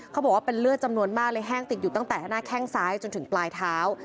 เขาบอกว่าเป็นเลือดจำนวนมากเลยแห้งติดอยู่ตั้งแต่หน้าแข้งซ้ายจนถึงปลายเท้า